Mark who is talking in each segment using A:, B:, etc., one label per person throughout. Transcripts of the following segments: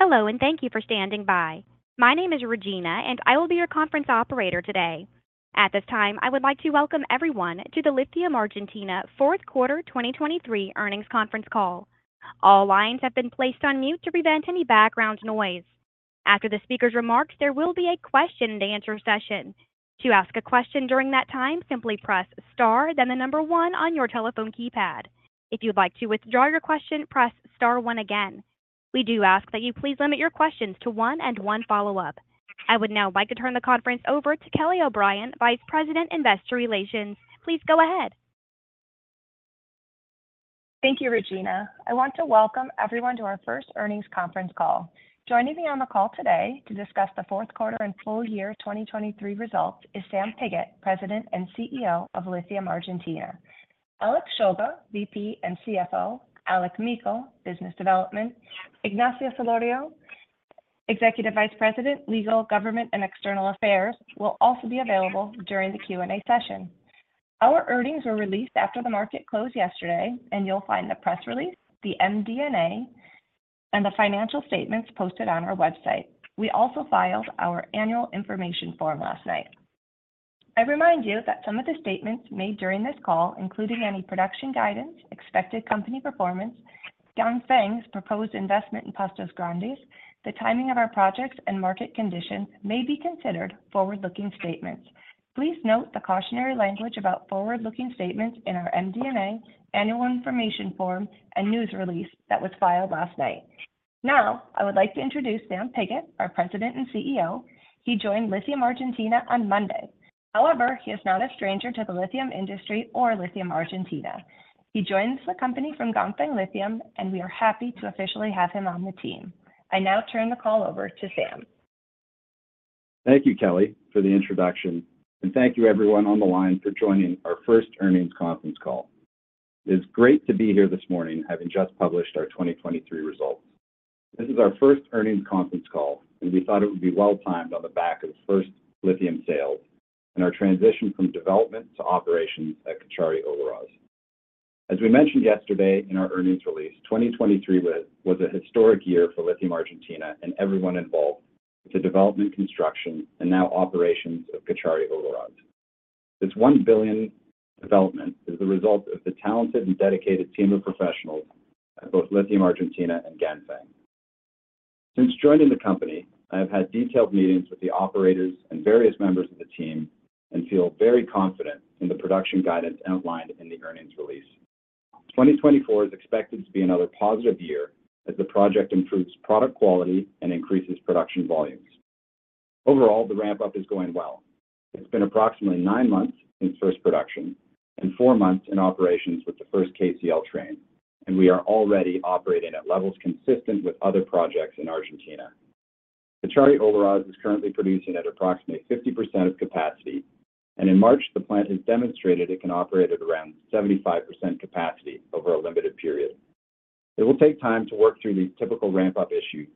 A: Hello and thank you for standing by. My name is Regina, and I will be your conference operator today. At this time, I would like to welcome everyone to the Lithium Argentina fourth quarter 2023 earnings conference call. All lines have been placed on mute to prevent any background noise. After the speaker's remarks, there will be a question-and-answer session. To ask a question during that time, simply press star then the number one on your telephone keypad. If you'd like to withdraw your question, press star one again. We do ask that you please limit your questions to one and one follow-up. I would now like to turn the conference over to Kelly O'Brien, Vice President Investor Relations. Please go ahead.
B: Thank you, Regina. I want to welcome everyone to our first earnings conference call. Joining me on the call today to discuss the fourth quarter and full year 2023 results is Sam Pigott, President and CEO of Lithium Argentina, Alex Shulga, VP and CFO, Alec Meikle, Business Development, Ignacio Celorrio, Executive Vice President, Legal, Government, and External Affairs, will also be available during the Q&A session. Our earnings were released after the market closed yesterday, and you'll find the press release, the MD&A, and the financial statements posted on our website. We also filed our annual information form last night. I remind you that some of the statements made during this call, including any production guidance, expected company performance, Ganfeng's proposed investment in Pastos Grandes, the timing of our projects, and market conditions, may be considered forward-looking statements. Please note the cautionary language about forward-looking statements in our MD&A, annual information form, and news release that was filed last night. Now, I would like to introduce Sam Pigott, our President and CEO. He joined Lithium Argentina on Monday. However, he is not a stranger to the lithium industry or Lithium Argentina. He joins the company from Ganfeng Lithium, and we are happy to officially have him on the team. I now turn the call over to Sam.
C: Thank you, Kelly, for the introduction, and thank you, everyone on the line for joining our first earnings conference call. It is great to be here this morning having just published our 2023 results. This is our first earnings conference call, and we thought it would be well-timed on the back of the first lithium sales and our transition from development to operations at Cauchari-Olaroz. As we mentioned yesterday in our earnings release, 2023 was a historic year for Lithium Argentina and everyone involved with the development, construction, and now operations of Cauchari-Olaroz. This $1 billion development is the result of the talented and dedicated team of professionals at both Lithium Argentina and Ganfeng. Since joining the company, I have had detailed meetings with the operators and various members of the team and feel very confident in the production guidance outlined in the earnings release. 2024 is expected to be another positive year as the project improves product quality and increases production volumes. Overall, the ramp-up is going well. It's been approximately 9 months since first production and 4 months in operations with the first KCl train, and we are already operating at levels consistent with other projects in Argentina. Cauchari-Olaroz is currently producing at approximately 50% of capacity, and in March, the plant has demonstrated it can operate at around 75% capacity over a limited period. It will take time to work through these typical ramp-up issues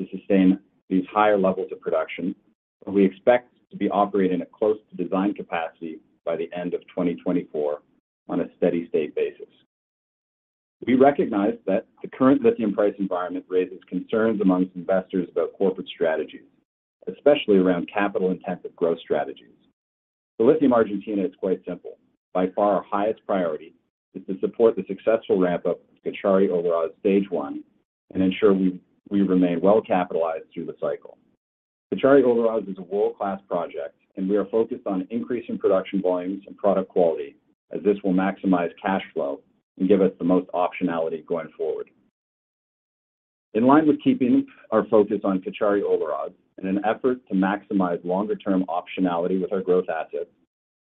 C: to sustain these higher levels of production, but we expect to be operating at close to design capacity by the end of 2024 on a steady-state basis. We recognize that the current lithium price environment raises concerns among investors about corporate strategies, especially around capital-intensive growth strategies. For Lithium Argentina, it's quite simple. By far, our highest priority is to support the successful ramp-up of Cauchari-Olaroz Stage 1 and ensure we remain well-capitalized through the cycle. Cauchari-Olaroz is a world-class project, and we are focused on increasing production volumes and product quality as this will maximize cash flow and give us the most optionality going forward. In line with keeping our focus on Cauchari-Olaroz and an effort to maximize longer-term optionality with our growth assets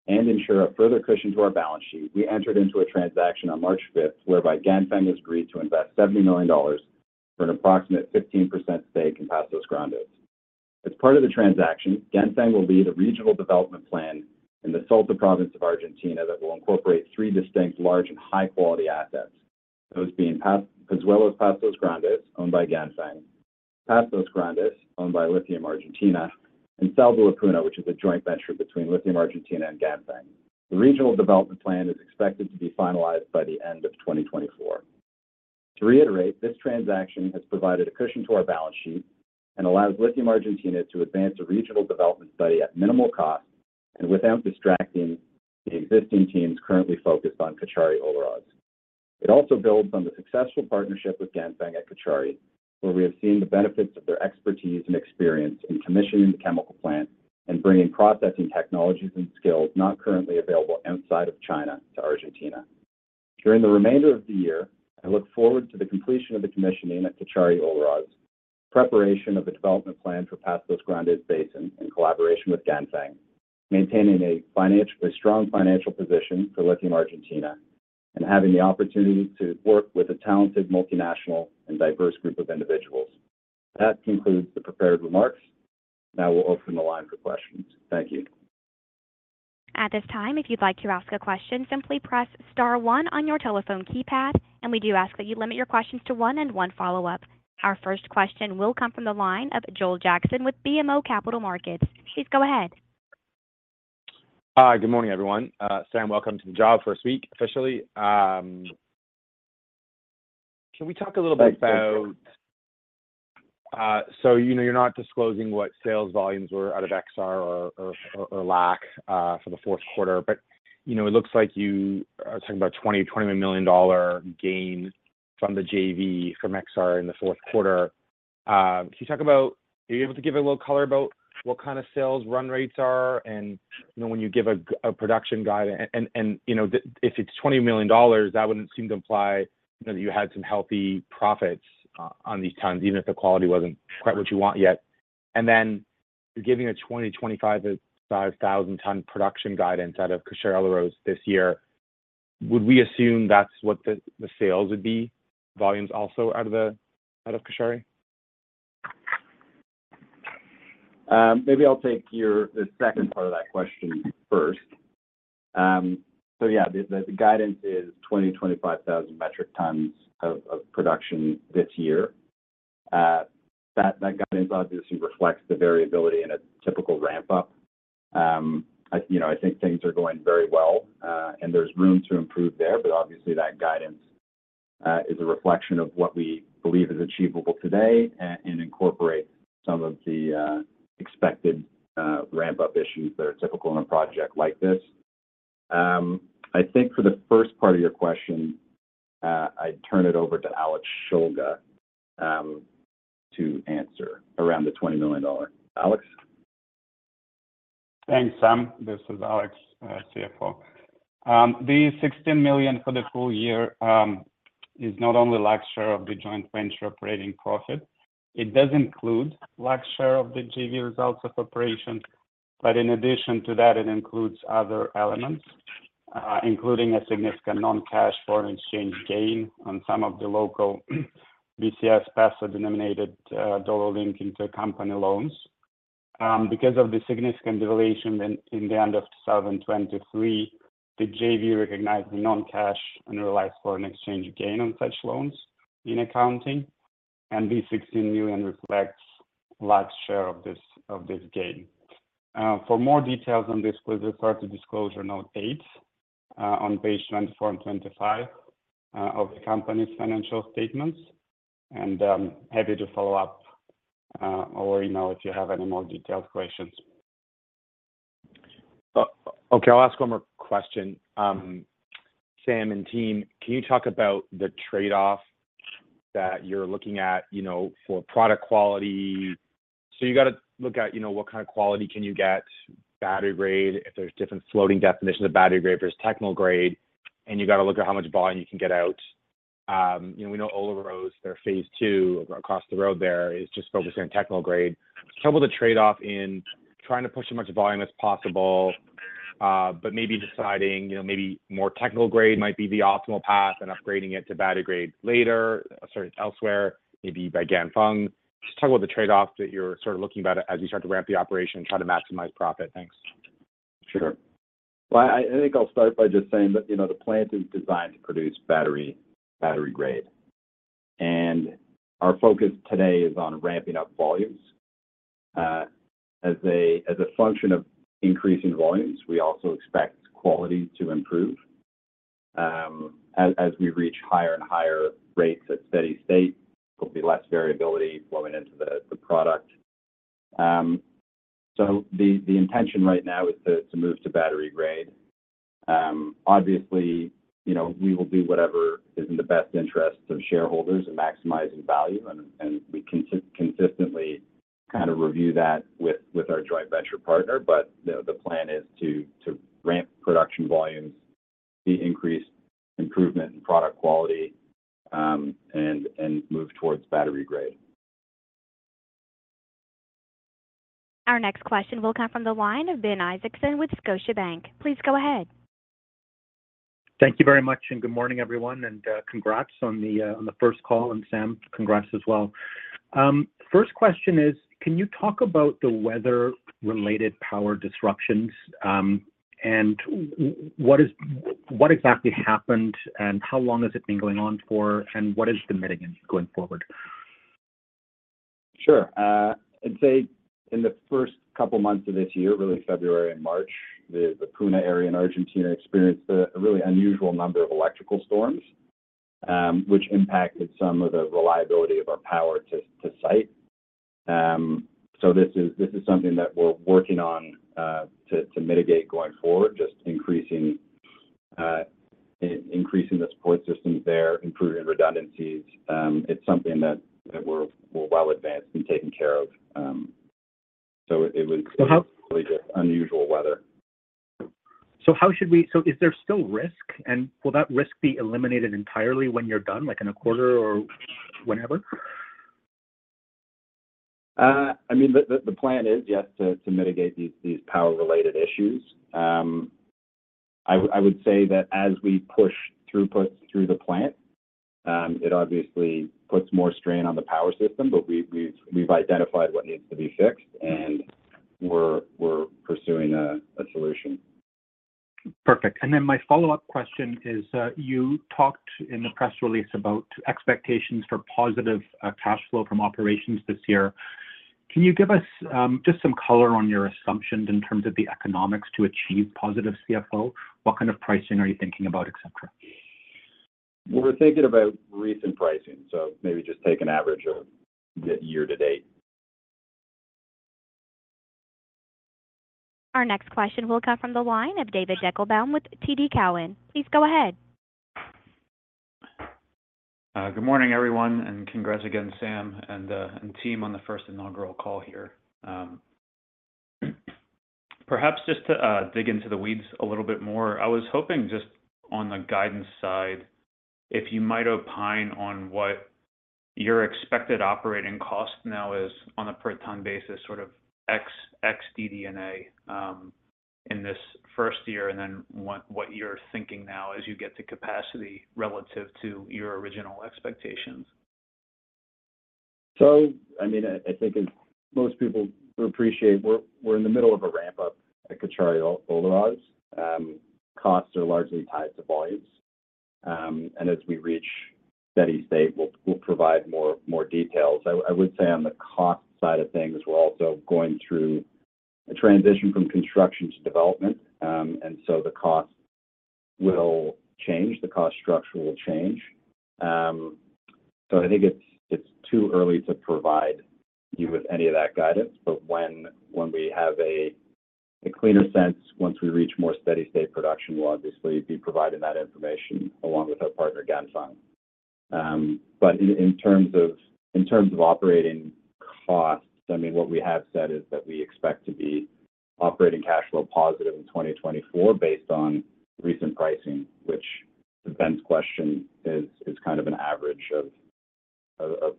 C: and ensure a further cushion to our balance sheet, we entered into a transaction on March 5th whereby Ganfeng has agreed to invest $70 million for an approximate 15% stake in Pastos Grandes. As part of the transaction, Ganfeng will lead a regional development plan in the Salta province of Argentina that will incorporate three distinct large and high-quality assets, those being Pozuelos-Pastos Grandes, owned by Ganfeng; Pastos Grandes, owned by Lithium Argentina; and Sal de la Puna, which is a joint venture between Lithium Argentina and Ganfeng. The regional development plan is expected to be finalized by the end of 2024. To reiterate, this transaction has provided a cushion to our balance sheet and allows Lithium Argentina to advance a regional development study at minimal cost and without distracting the existing teams currently focused on Cauchari-Olaroz. It also builds on the successful partnership with Ganfeng at Cauchari, where we have seen the benefits of their expertise and experience in commissioning the chemical plant and bringing processing technologies and skills not currently available outside of China to Argentina. During the remainder of the year, I look forward to the completion of the commissioning at Cauchari-Olaroz, preparation of a development plan for Pastos Grandes Basin in collaboration with Ganfeng, maintaining a strong financial position for Lithium Argentina, and having the opportunity to work with a talented, multinational, and diverse group of individuals. That concludes the prepared remarks. Now we'll open the line for questions. Thank you.
A: At this time, if you'd like to ask a question, simply press star one on your telephone keypad, and we do ask that you limit your questions to one and one follow-up. Our first question will come from the line of Joel Jackson with BMO Capital Markets. Please go ahead.
D: Good morning, everyone. Sam, welcome to the job for us officially. Can we talk a little bit about so you're not disclosing what sales volumes were out of Exar or LAC for the fourth quarter, but it looks like you are talking about a $20 million gain from the JV from Exar in the fourth quarter? Can you talk about, are you able to give a little color about what kind of sales run rates are? And when you give a production guide and if it's $20 million, that wouldn't seem to imply that you had some healthy profits on these tons, even if the quality wasn't quite what you want yet. And then you're giving a 2025 5,000-ton production guidance out of Cauchari-Olaroz this year. Would we assume that's what the sales would be, volumes also out of Cauchari?
C: Maybe I'll take the second part of that question first. So yeah, the guidance is 20,000-25,000 metric tons of production this year. That guidance, obviously, reflects the variability in a typical ramp-up. I think things are going very well, and there's room to improve there. But obviously, that guidance is a reflection of what we believe is achievable today and incorporates some of the expected ramp-up issues that are typical in a project like this. I think for the first part of your question, I'd turn it over to Alex Shulga to answer around the $20 million. Alex?
E: Thanks, Sam. This is Alex, CFO. The $16 million for the full year is not only LAC share of the joint venture operating profit. It does include LAC share of the JV results of operations, but in addition to that, it includes other elements, including a significant non-cash foreign exchange gain on some of the local BCS Peso-denominated dollar linking to company loans. Because of the significant devaluation at the end of 2023, the JV recognized the non-cash and realized foreign exchange gain on such loans in accounting, and the $16 million reflects LAC share of this gain. For more details on this, please refer to disclosure note 8 on page 24 and 25 of the company's financial statements, and happy to follow up or email if you have any more detailed questions.
D: Okay, I'll ask one more question. Sam and team, can you talk about the trade-off that you're looking at for product quality? So you got to look at what kind of quality can you get, battery grade, if there's different floating definitions of battery grade, if there's technical grade, and you got to look at how much volume you can get out. We know Cauchari-Olaroz, their phase two across the road there, is just focusing on technical grade. Tell me about the trade-off in trying to push as much volume as possible, but maybe deciding maybe more technical grade might be the optimal path and upgrading it to battery grade later, sorry, elsewhere, maybe by Ganfeng. Just talk about the trade-offs that you're sort of looking at as you start to ramp the operation and try to maximize profit. Thanks.
C: Sure. Well, I think I'll start by just saying that the plant is designed to produce battery grade, and our focus today is on ramping up volumes. As a function of increasing volumes, we also expect quality to improve. As we reach higher and higher rates at steady state, there'll be less variability flowing into the product. So the intention right now is to move to battery grade. Obviously, we will do whatever is in the best interests of shareholders and maximizing value, and we consistently kind of review that with our joint venture partner. But the plan is to ramp production volumes, see increased improvement in product quality, and move towards battery grade.
A: Our next question will come from the line of Ben Isaacson with Scotiabank. Please go ahead.
F: Thank you very much, and good morning, everyone, and congrats on the first call. Sam, congrats as well. First question is, can you talk about the weather-related power disruptions and what exactly happened, and how long has it been going on for, and what is the mitigation going forward?
C: Sure. I'd say in the first couple of months of this year, really February and March, the Puna area in Argentina experienced a really unusual number of electrical storms, which impacted some of the reliability of our power to site. So this is something that we're working on to mitigate going forward, just increasing the support systems there, improving redundancies. It's something that we're well advanced in taking care of. So it was really just unusual weather.
F: So, is there still risk? And will that risk be eliminated entirely when you're done, like in a quarter or whenever?
C: I mean, the plan is, yes, to mitigate these power-related issues. I would say that as we push throughputs through the plant, it obviously puts more strain on the power system, but we've identified what needs to be fixed, and we're pursuing a solution.
F: Perfect. And then my follow-up question is, you talked in the press release about expectations for positive cash flow from operations this year. Can you give us just some color on your assumptions in terms of the economics to achieve positive CFO? What kind of pricing are you thinking about, etc.?
C: We're thinking about recent pricing, so maybe just take an average of year to date.
A: Our next question will come from the line of David Deckelbaum with TD Cowen. Please go ahead.
G: Good morning, everyone, and congrats again, Sam and team on the first inaugural call here. Perhaps just to dig into the weeds a little bit more, I was hoping just on the guidance side, if you might opine on what your expected operating cost now is on a per-ton basis, sort of ex-D&A in this first year, and then what you're thinking now as you get to capacity relative to your original expectations?
C: So I mean, I think as most people appreciate, we're in the middle of a ramp-up at Cauchari-Olaroz. Costs are largely tied to volumes. As we reach steady state, we'll provide more details. I would say on the cost side of things, we're also going through a transition from construction to development, and so the cost will change. The cost structure will change. So I think it's too early to provide you with any of that guidance. But when we have a cleaner sense, once we reach more steady state production, we'll obviously be providing that information along with our partner, Ganfeng. But in terms of operating costs, I mean, what we have said is that we expect to be operating cash flow positive in 2024 based on recent pricing, which to Ben's question is kind of an average of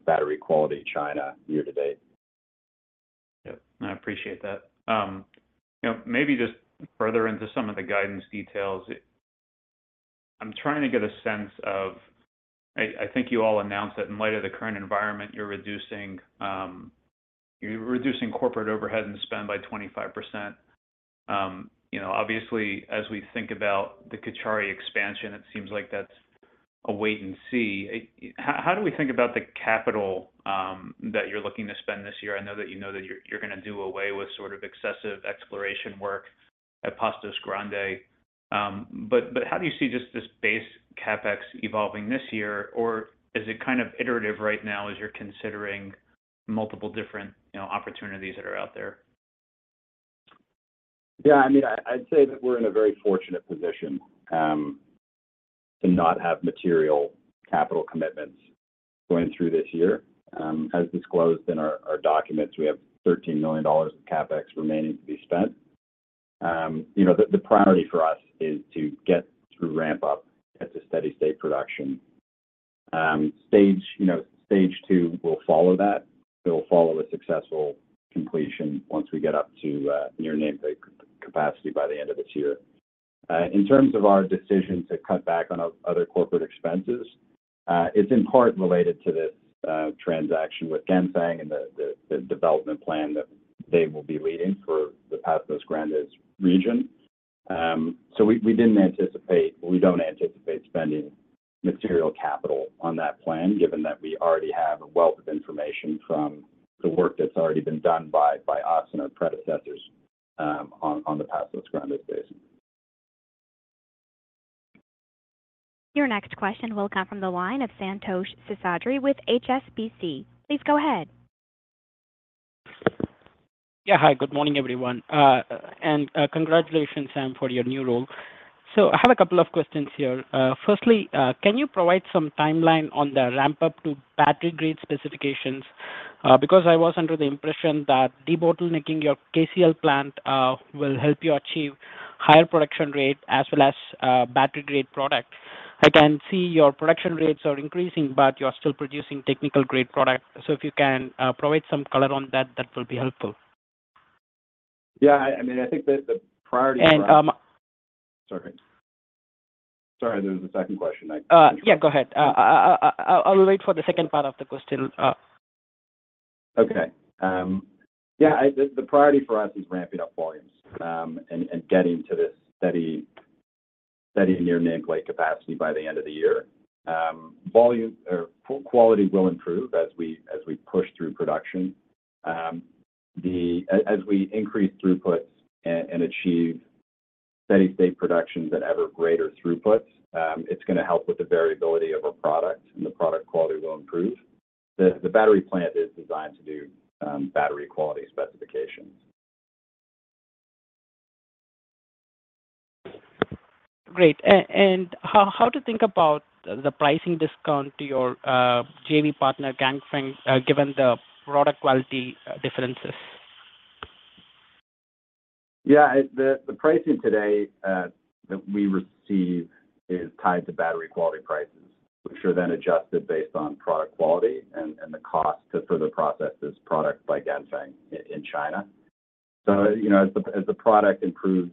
C: battery grade China year to date.
G: Yep. I appreciate that. Maybe just further into some of the guidance details, I'm trying to get a sense of, I think you all announced that in light of the current environment, you're reducing corporate overhead and spend by 25%. Obviously, as we think about the Cauchari expansion, it seems like that's a wait and see. How do we think about the capital that you're looking to spend this year? I know that you know that you're going to do away with sort of excessive exploration work at Pastos Grandes. But how do you see just this base CapEx evolving this year, or is it kind of iterative right now as you're considering multiple different opportunities that are out there?
C: Yeah. I mean, I'd say that we're in a very fortunate position to not have material capital commitments going through this year. As disclosed in our documents, we have $13 million of CapEx remaining to be spent. The priority for us is to get through ramp-up, get to steady state production. Stage two will follow that. It will follow a successful completion once we get up to near capacity by the end of this year. In terms of our decision to cut back on other corporate expenses, it's in part related to this transaction with Ganfeng and the development plan that they will be leading for the Pastos Grandes region. So we didn't anticipate we don't anticipate spending material capital on that plan, given that we already have a wealth of information from the work that's already been done by us and our predecessors on the Pastos Grandes Basin.
A: Your next question will come from the line of Santhosh Seshadri with HSBC. Please go ahead.
H: Yeah. Hi. Good morning, everyone. And congratulations, Sam, for your new role. So I have a couple of questions here. Firstly, can you provide some timeline on the ramp-up to battery grade specifications? Because I was under the impression that debottlenicking your KCl plant will help you achieve higher production rate as well as battery-grade product. I can see your production rates are increasing, but you're still producing technical-grade product. So if you can provide some color on that, that will be helpful.
C: Yeah. I mean, I think that the priority for us.
H: And.
C: Sorry. Sorry, there was a second question.
H: Yeah, go ahead. I'll wait for the second part of the question.
C: Okay. Yeah. The priority for us is ramping up volumes and getting to this steady-state capacity by the end of the year. Volume or quality will improve as we push through production. As we increase throughputs and achieve steady-state productions at ever greater throughputs, it's going to help with the variability of our product, and the product quality will improve. The battery plant is designed to do battery quality specifications.
H: Great. And how to think about the pricing discount to your JV partner, Ganfeng, given the product quality differences?
C: Yeah. The pricing today that we receive is tied to battery grade prices, which are then adjusted based on product quality and the cost to further process this product by Ganfeng in China. So as the product improves,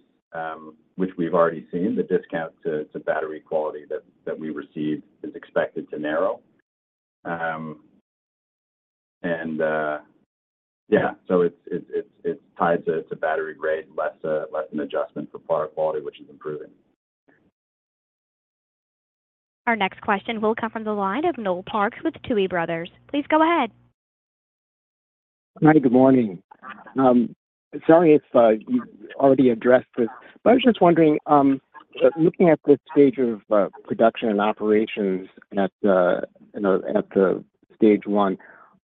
C: which we've already seen, the discount to battery grade that we receive is expected to narrow. And yeah, so it's tied to battery grade, less an adjustment for product quality, which is improving.
A: Our next question will come from the line of Noel Parks with Tuohy Brothers. Please go ahead.
I: Hi. Good morning. Sorry if you already addressed this, but I was just wondering, looking at this stage of production and operations at Stage 1,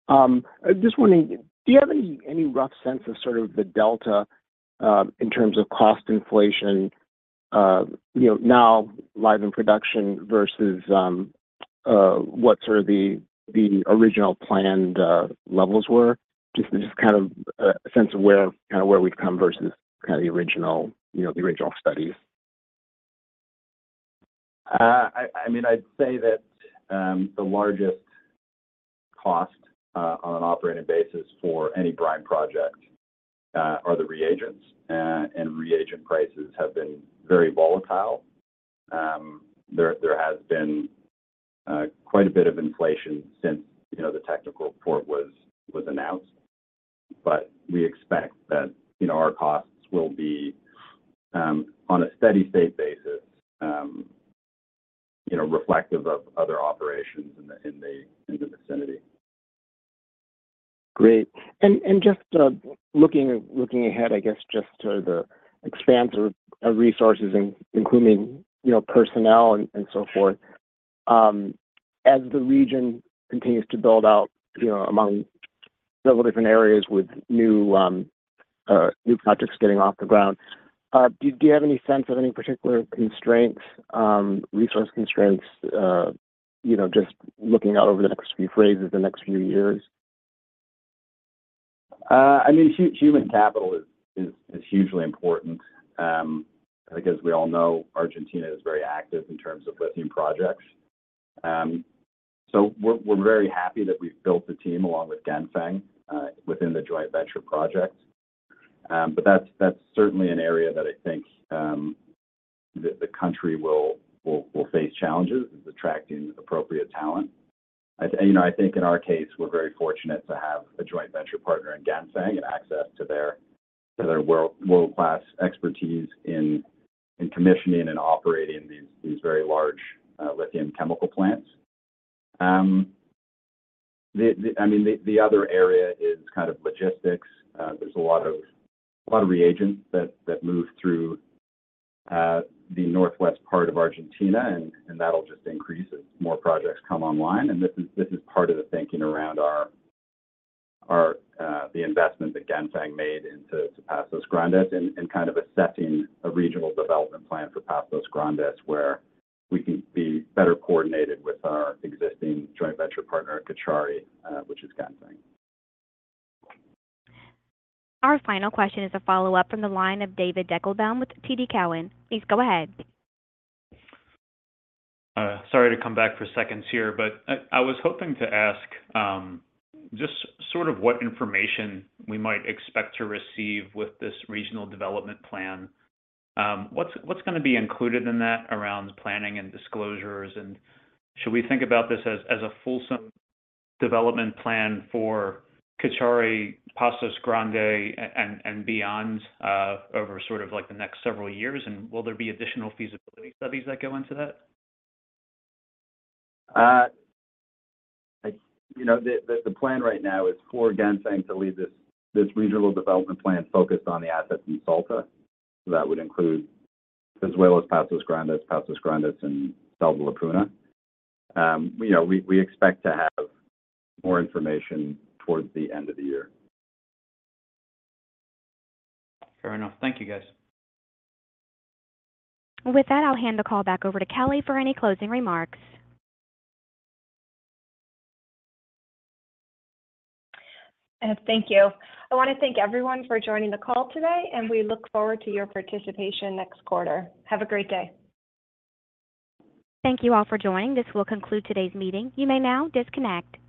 I: I'm just wondering, do you have any rough sense of sort of the delta in terms of cost inflation now live in production versus what sort of the original planned levels were? Just kind of a sense of kind of where we've come versus kind of the original studies.
C: I mean, I'd say that the largest cost on an operating basis for any brine project are the reagents, and reagent prices have been very volatile. There has been quite a bit of inflation since the technical report was announced, but we expect that our costs will be on a steady state basis reflective of other operations in the vicinity.
I: Great. Just looking ahead, I guess, just to the expanse of resources, including personnel and so forth, as the region continues to build out among several different areas with new projects getting off the ground, do you have any sense of any particular resource constraints, just looking out over the next few phases, the next few years?
C: I mean, human capital is hugely important. I think as we all know, Argentina is very active in terms of lithium projects. So we're very happy that we've built a team along with Ganfeng within the joint venture project. But that's certainly an area that I think the country will face challenges in attracting appropriate talent. I think in our case, we're very fortunate to have a joint venture partner in Ganfeng and access to their world-class expertise in commissioning and operating these very large lithium chemical plants. I mean, the other area is kind of logistics. There's a lot of reagents that move through the northwest part of Argentina, and that'll just increase as more projects come online. This is part of the thinking around the investment that Ganfeng made into Pastos Grandes and kind of assessing a regional development plan for Pastos Grandes where we can be better coordinated with our existing joint venture partner at Cauchari, which is Ganfeng.
A: Our final question is a follow-up from the line of David Deckelbaum with TD Cowen. Please go ahead.
G: Sorry to come back for seconds here, but I was hoping to ask just sort of what information we might expect to receive with this regional development plan. What's going to be included in that around planning and disclosures? And should we think about this as a fulsome development plan for Cauchari, Pastos Grandes, and beyond over sort of the next several years? And will there be additional feasibility studies that go into that?
C: The plan right now is for Ganfeng to lead this regional development plan focused on the assets in Salta. That would include Pozuelos, Pastos Grandes, and Sal de la Puna. We expect to have more information towards the end of the year.
G: Fair enough. Thank you, guys.
A: With that, I'll hand the call back over to Kelly for any closing remarks.
B: Thank you. I want to thank everyone for joining the call today, and we look forward to your participation next quarter. Have a great day.
A: Thank you all for joining. This will conclude today's meeting. You may now disconnect.